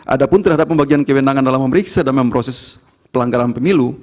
ada pun terhadap pembagian kewenangan dalam memeriksa dan memproses pelanggaran pemilu